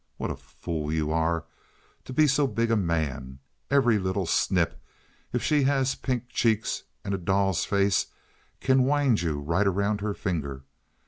What a fool you are, to be so big a man! Every little snip, if she has pink cheeks and a doll's face, can wind you right around her finger.